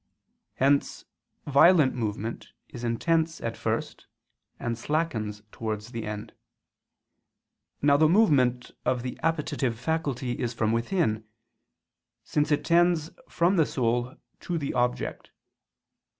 Hence violent movement is intense at first, and slackens towards the end. Now the movement of the appetitive faculty is from within: since it tends from the soul to the object.